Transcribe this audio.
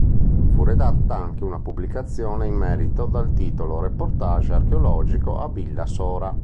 Fu redatta anche una pubblicazione in merito dal titolo "Reportage archeologico a Villa Sora".